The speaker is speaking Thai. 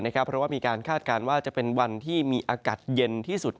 เพราะว่ามีการคาดการณ์ว่าจะเป็นวันที่มีอากาศเย็นที่สุด